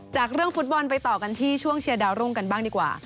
จากเรื่องฟุตบอลไปต่อกันที่ช่วงเชียร์ดาวรุ่งกันบ้างดีกว่า